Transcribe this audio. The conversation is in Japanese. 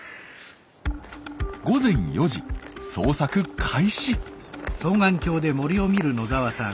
午前４時捜索開始。